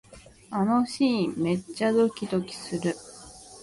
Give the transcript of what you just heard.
あのシーン、めっちゃドキドキする